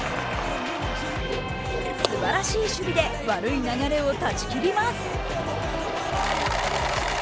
すばらしい守備で悪い流れを断ち切ります。